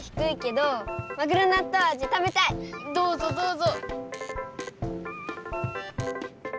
どうぞどうぞ。